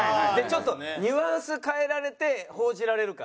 ちょっとニュアンス変えられて報じられるから。